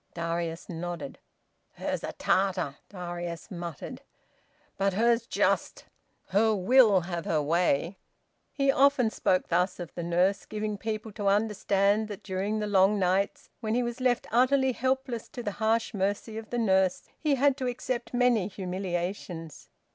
Darius nodded. "Her's a Tartar!" Darius muttered. "But her's just! Her will have her own way!" He often spoke thus of the nurse, giving people to understand that during the long nights, when he was left utterly helpless to the harsh mercy of the nurse, he had to accept many humiliations.